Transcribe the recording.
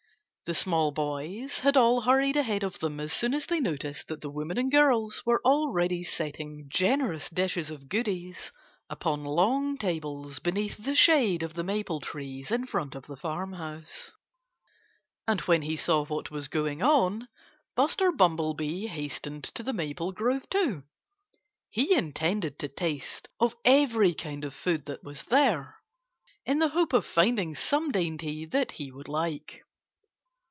The small boys had all hurried ahead of them as soon as they noticed that the women and girls were already setting generous dishes of goodies upon long tables beneath the shade of the maple trees in front of the farmhouse. And when he saw what was going on Buster Bumblebee hastened to the maple grove too. He intended to taste of every kind of food that was there, in the hope of finding some dainty that he would like.